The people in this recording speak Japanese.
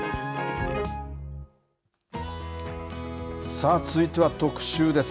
さあ続いては特集です。